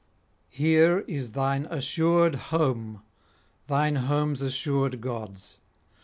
here is thine assured home, thine home's assured gods.